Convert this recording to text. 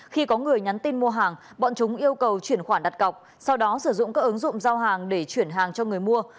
khi có người nhắn tin mua hàng bọn chúng yêu cầu chuyển khoản đặt cọc sau đó sử dụng các ứng dụng giao hàng để chuyển hàng cho người mua